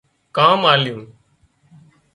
ڪام آليون